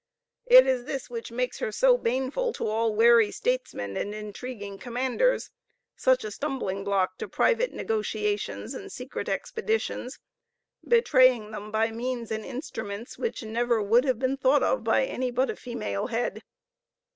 It is this which makes her so baneful to all wary statesmen and intriguing commanders such a stumbling block to private negotiations and secret expeditions; betraying them by means and instruments which never would have been thought of by any but a female head.